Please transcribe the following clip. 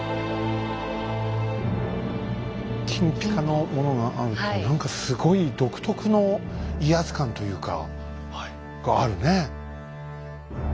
金ぴかのものがあるって何かすごい独特の威圧感というかがあるね。